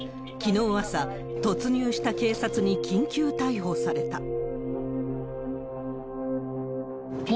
きのう朝、突入した警察に緊急逮捕された。